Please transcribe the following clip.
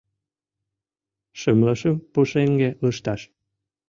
Шымле шым пушеҥге лышташ